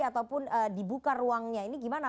ataupun dibuka ruangnya ini gimana